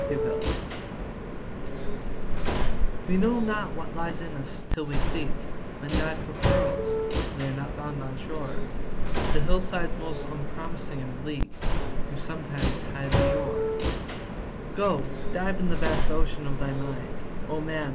HIDDEN GEMS We know not what lies in us, till we seek; Men dive for pearls—they are not found on shore, The hillsides most unpromising and bleak Do sometimes hide the ore. Go, dive in the vast ocean of thy mind, O man!